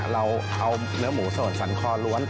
เราเอาเนื้อหมูสดสันคอล้วน